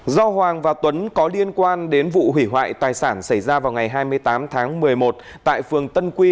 do hoàng và tuấn có liên quan đến vụ hủy hoại tài sản xảy ra vào ngày hai mươi tám tháng một mươi một tại phường tân quy